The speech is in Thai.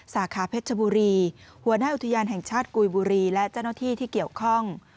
สาขาเพชรชบุรีหัวหน้าอุทยานแห่งชาติกุยบุรีและเจ้าหน้าที่ที่เกี่ยวข้อง